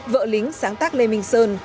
vợ lính sáng tác lê minh sơn